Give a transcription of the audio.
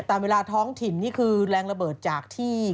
ตามเวลาท้องถิ่นนี่คือแรงระเบิดจากที่